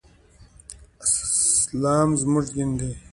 اسلام زمونږ دين دی.